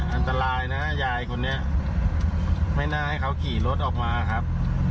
อันตรายนะฮะยายคนนี้ไม่น่าให้เขาขี่รถออกมาครับ